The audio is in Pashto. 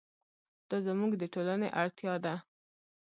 دا زموږ د ټولنې اړتیا ده.